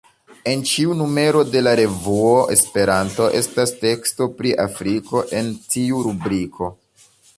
En ĉiu numero de la revuo Esperanto estas teksto pri Afriko en tiu rubriko.